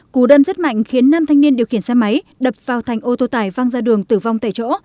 cú đâm rất mạnh khiến nam thanh niên điều khiển xe máy đập vào thành ô tô tải văng ra đường tử vong tại chỗ